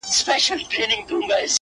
یوه لمسي ورڅخه وپوښتل چي ګرانه بابا!